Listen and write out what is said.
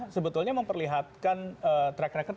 sebetulnya memperlihatkan track record